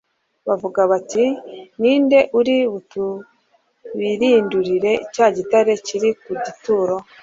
bavuga bati: "Ninde uri butubirindurire cya gitare kiri ku gituro!"